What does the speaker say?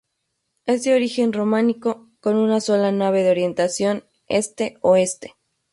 Es de origen románico, con una sola nave de orientación este-oeste.